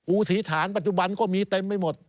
ถีฐานปัจจุบันก็มีเต็มไปหมด